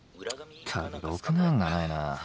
ったくろくな案がないな！